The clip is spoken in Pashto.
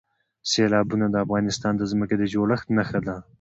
سیلابونه د افغانستان د ځمکې د جوړښت نښه ده.